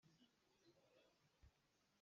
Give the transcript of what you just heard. A hawile kha a phenhai hna.